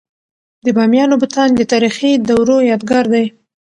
د بامیانو بتان د تاریخي دورو یادګار دی.